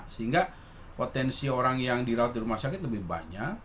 sehingga potensi orang yang dirawat di rumah sakit lebih banyak